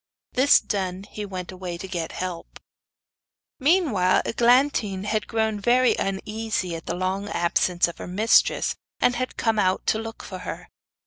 This done he went away to get help. Meanwhile Eglantine had grown very uneasy at the long absence of her mistress, and had come out to look for her.